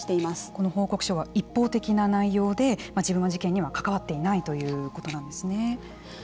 この報告書は一方的な内容で自分は事件には関わっていないということなんですね。